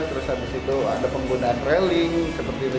terus habis itu ada penggunaan railing seperti itu